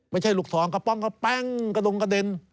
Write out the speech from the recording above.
ไม่ใช่ลูกสองกระป้องกระแป้งกระดงกระเด็น